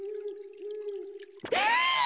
えっ！